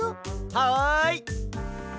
はい！